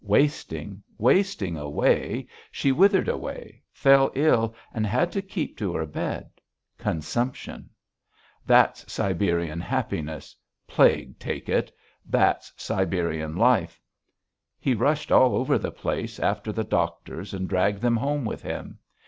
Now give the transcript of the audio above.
Wasting, wasting away, she withered away, fell ill and had to keep to her bed.... Consumption. That's Siberian happiness, plague take it; that's Siberian life.... He rushed all over the place after the doctors and dragged them home with him.